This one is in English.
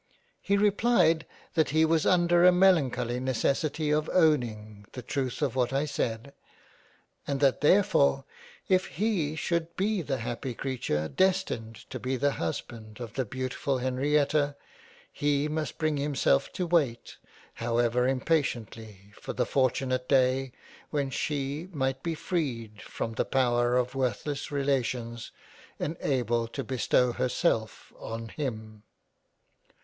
" He replied that he was under a melancholy necessity of owning the truth of what I said, and that therefore if he should 125 ^ JANE AUSTEN £ be the happy Creature destined to be the Husband of the Beautiful Henrietta he must bring himself to wait, however impatiently, for the fortunate day, when she might be freed from the power of worthless Relations and able to bestow herself on him."